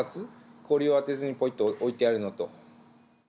氷を当てずにぽいっと置いてあるのと。